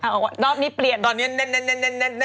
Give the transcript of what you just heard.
บอกว่ารอบนี้เปลี่ยนตอนนี้แน่น